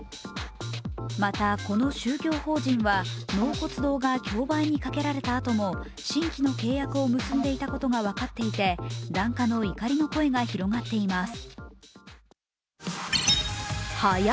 また、この宗教法人は納骨堂が競売にかけられたあとも新規の契約を結んでいたことが分かっていて檀家の怒りの声が広がっています。